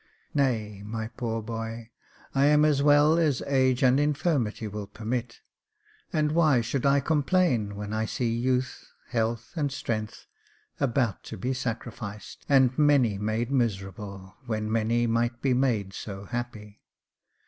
" Nay, my poor boy, I am as well as age and infirmity will permit, and why should I complain when I see youth, health, and strength, about to be sacrificed ; and many made miserable, when many might be made so happy